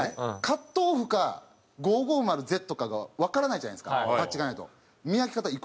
カットオフか５５０Ｚかがわからないじゃないですかパッチがないと。